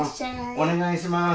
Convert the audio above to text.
お願いします。